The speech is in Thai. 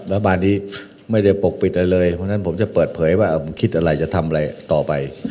รัฐบาลนี้ไม่ได้ปกปิดอะไรเลยเพราะฉะนั้นผมจะเปิดเผยว่าผมคิดอะไรจะทำอะไรต่อไป